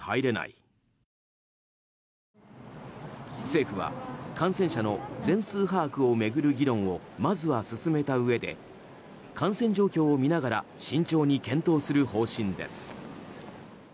政府は感染者の全数把握を巡る議論をまずは進めたうえで感染状況を見ながら慎重に検討する方針です。